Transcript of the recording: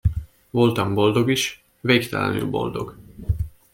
Voltam boldog is, végtelenül boldog!